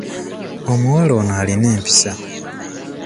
Omuwala ono alina empisa.